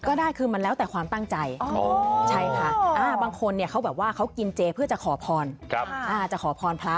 ก็ได้คือมันแล้วแต่ความตั้งใจใช่ค่ะบางคนเขากินเจเพื่อจะขอพรจะขอพรพระ